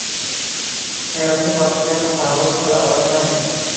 hayotni” boshqacha tasavvur qila olishmaydi.